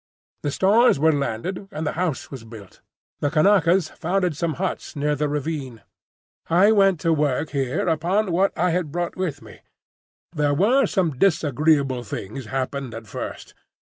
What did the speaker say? "The stores were landed and the house was built. The Kanakas founded some huts near the ravine. I went to work here upon what I had brought with me. There were some disagreeable things happened at first.